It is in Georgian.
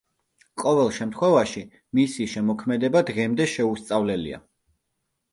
ყოველ შემთხვევაში, მისი შემოქმედება დღემდე შეუსწავლელია.